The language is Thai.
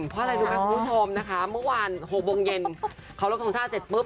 เพราะอะไรรู้ไหมคุณผู้ชมนะคะเมื่อวาน๖โมงเย็นเคารพทรงชาติเสร็จปุ๊บ